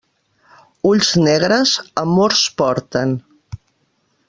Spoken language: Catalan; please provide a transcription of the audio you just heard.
Ulls negres amors porten.